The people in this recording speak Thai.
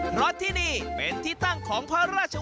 เพราะที่นี่เป็นที่ตั้งของพระราช